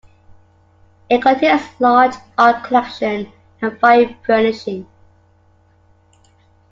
It contains a large art collection and fine furnishing.